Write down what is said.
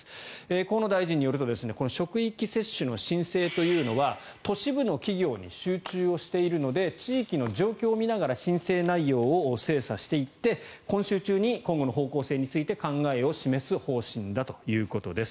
河野大臣によると職域接種の申請というのは都市部の企業に集中をしているので地域の状況を見ながら申請内容を精査していって今週中に、今後の方向性について考えを示す方針だということです。